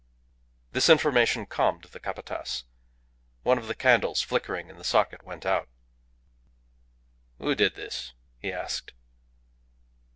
This information calmed the Capataz. One of the candles flickering in the socket went out. "Who did this?" he asked.